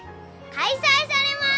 開催されます！